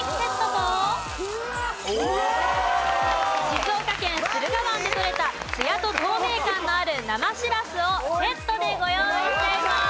静岡県駿河湾でとれたつやと透明感のある生しらすをセットでご用意しています。